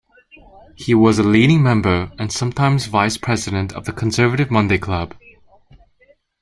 He was a leading member and sometime Vice-President of the Conservative Monday Club.